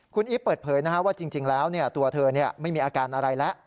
คุณอีฟเปิดเผยว่าจริงแล้วตัวเธอไม่มีอาการอะไรแล้ว